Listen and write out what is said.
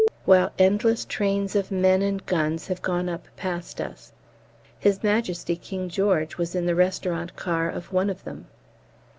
while endless trains of men and guns have gone up past us. H.M. King George was in the restaurant car of one of them.